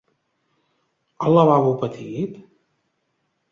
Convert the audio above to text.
Al lavabo petit?